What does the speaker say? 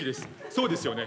そうですよね？